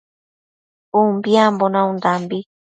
Umbiambo naundambi